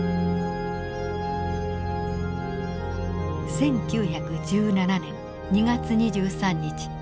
１９１７年２月２３日。